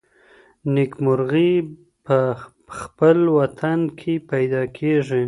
نېکمرغي په خپل وطن کي پیدا کیږي.